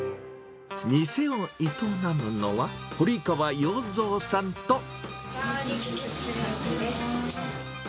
店を営むのは、ガーリックシュリンプです。